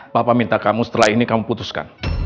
bapak minta kamu setelah ini kamu putuskan